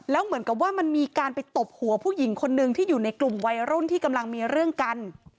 แล้วเหมือนกับว่ามันมีการไปตบหัวผู้หญิงคนนึงที่อยู่ในกลุ่มวัยรุ่นที่กำลังมีเรื่องกัน